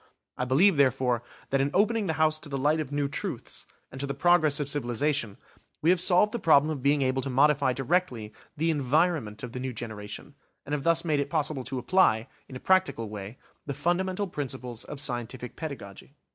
I believe, therefore, that in opening the house to the light of new truths, and to the progress of civilisation we have solved the problem of being able to modify directly, the environment of the new generation, and have thus made it possible to apply, in a practical way, the fundamental principles of scientific pedagogy.